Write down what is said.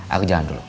aku jalan dulu